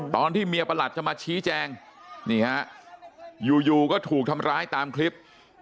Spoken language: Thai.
ตอนที่เมียประหลัดจะมาชี้แจงนี่ฮะอยู่ก็ถูกทำร้ายตามคลิป